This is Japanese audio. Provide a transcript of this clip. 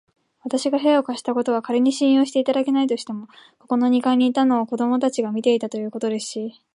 わたしが部屋を貸したことは、かりに信用していただけないとしても、ここの二階にいたのを子どもたちが見たということですし、